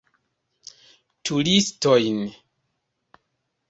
Turistojn.